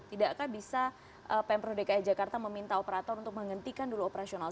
tidakkah bisa pemprov dki jakarta meminta operator untuk menghentikan dulu operasional